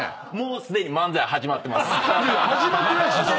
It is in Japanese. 始まってないでしょ。